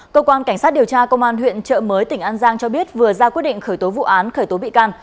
cơ quan cảnh sát điều tra công an huyện trợ mới tỉnh an giang cho biết vừa ra quyết định khởi tố vụ án khởi tố bị can